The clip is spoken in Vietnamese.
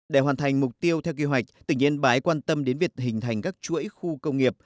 để hoàn thành mục tiêu theo kế hoạch tỉnh yên bái quan tâm đến việc hình thành các chuỗi khu công nghiệp